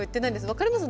分かります？